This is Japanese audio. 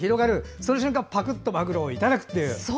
その瞬間、ぱくっとまぐろをいただくという。